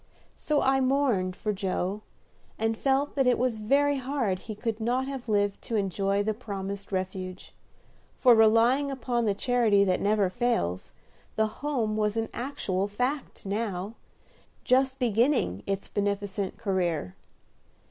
So I mourned for Joe, and felt that it was very hard he could not have lived to enjoy the promised refuge; for, relying upon the charity that never fails, the Home was an actual fact now, just beginning its beneficent career.